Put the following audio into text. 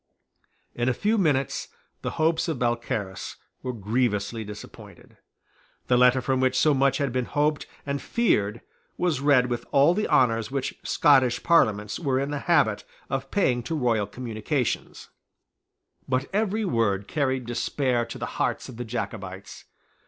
In a few minutes the hopes of Balcarras were grievously disappointed. The letter from which so much had been hoped and feared was read with all the honours which Scottish Parliaments were in the habit of paying to royal communications: but every word carried despair to the hearts of the Jacobites.